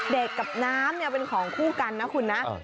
เด็กกับน้ำเป็นของคู่กันนะคุณนะ